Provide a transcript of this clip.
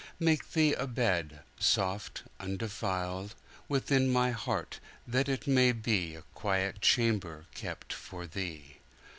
Make Thee a bed, soft, undefiled, Within my heart, that it may beA quiet chamber kept for Thee.